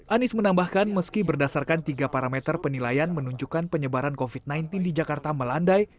anies menambahkan meski berdasarkan tiga parameter penilaian menunjukkan penyebaran covid sembilan belas di jakarta melandai